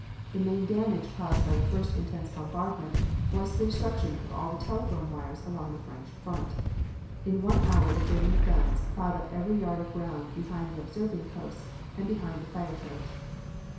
The main damage caused by the first intense bombardment was the destruction of all the telephone wires along the French front. In one hour the German guns plowed up every yard of ground behind the observing posts and behind the fire trench.